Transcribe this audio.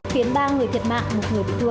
khiến ba người thiệt mạng một người bị thua